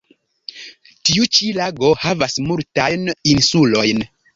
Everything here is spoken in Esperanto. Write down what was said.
Tiu ĉi lago havas multajn insulojn.